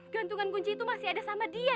gantungan kunci itu masih ada sama dia